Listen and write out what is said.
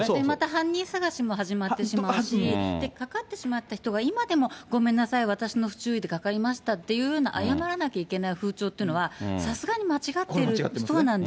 また犯人探しも始まってしまうし、かかってしまった人が、今でも、ごめんなさい、私の不注意でかかりましたっていうような、謝らなきゃいけない風潮っていうのは、さすがに間違っている。